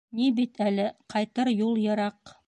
— Ни бит әле, ҡайтыр юл йыраҡ...